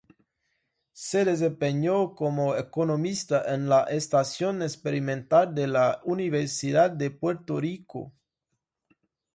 Se desempeñó como economista en la Estación Experimental de la Universidad de Puerto Rico.